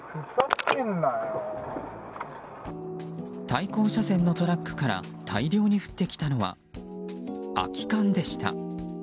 対向車線のトラックから大量に降ってきたのは空き缶でした。